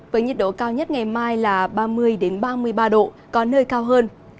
với nhiệt độ cao nhất ngày mai là ba mươi ba mươi ba độ có nơi cao hơn